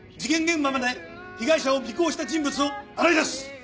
現場まで被害者を尾行した人物を洗い出す。